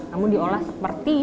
namun diolah seperti